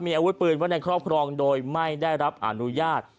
มีอาวุธปืนไว้ในครอบครองโดยไม่ได้รับอนุญาต